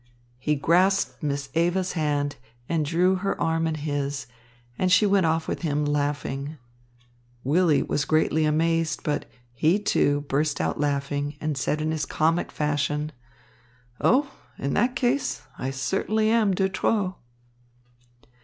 He grasped Miss Eva's hand and drew her arm in his, and she went off with him, laughing. Willy was greatly amazed, but he, too, burst out laughing and said in his comic fashion: "Oh, in that case I certainly am de trop."